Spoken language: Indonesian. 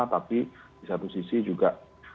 tapi di satu sisi juga